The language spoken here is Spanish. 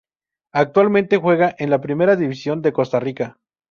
Actualmente juega en la Primera División de Costa Rica.